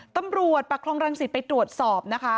ตำรวจปกครองรังสิทธิ์ไปตรวจสอบนะคะ